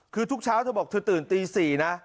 คือทุกเช้าเธอบอกเธอตื่นตี๔นะ